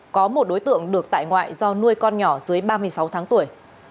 có một đối tượng được tại ngoại do nuôi con nhỏ dưới ba mươi sáu tháng tuổi